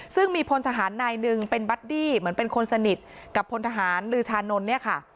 ซึ่งมีพลทหารนายหนึ่งเป็นบัดดี้เหมือนเป็นคนสนิทกับพลทหารลือชานนท์เนี่ยค่ะ